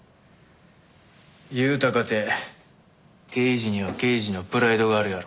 言うたかて刑事には刑事のプライドがあるやろ？